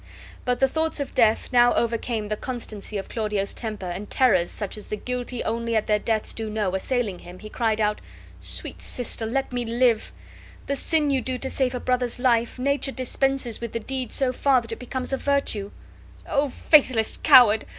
But the thoughts of death now overcame the constancy of Claudio's temper, and terrors, such as the guilty only at their deaths do know, assailing him, he cried out: "Sweet sister, let me live! The sin you do to save a brother's life, nature dispenses with the deed so far that it becomes a virtue." "O faithless coward!